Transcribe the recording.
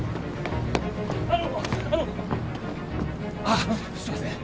あっすいません。